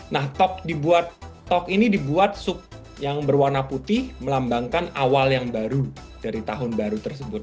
nah tok ini dibuat sup yang berwarna putih melambangkan awal yang baru dari tahun baru tersebut